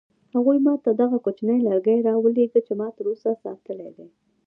هغوی ما ته دغه کوچنی لرګی راولېږه چې ما تر اوسه ساتلی دی.